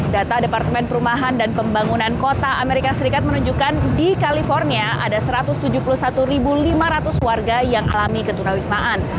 data departemen perumahan dan pembangunan kota amerika serikat menunjukkan di california ada satu ratus tujuh puluh satu lima ratus warga yang alami ketunawismaan